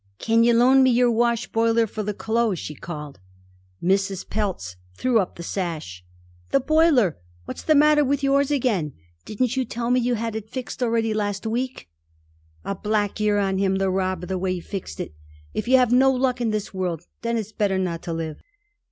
"Can you loan me your wash boiler for the clothes?" she called. Mrs. Pelz threw up the sash. "The boiler? What's the matter with yours again? Didn't you tell me you had it fixed already last week?" "A black year on him, the robber, the way he fixed it! If you have no luck in this world, then it's better not to live.